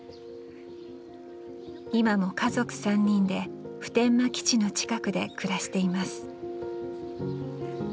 今も家族３人で普天間基地の近くで暮らしています。